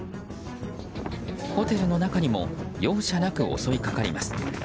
ホテルの中にも容赦なく襲いかかります。